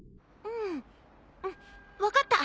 うん分かった。